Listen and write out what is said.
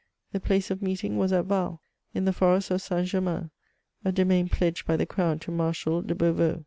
The place of meeting was at Val, in the forest of St. Germain, a domain pledged by the Crown to Marshal de Beauveau.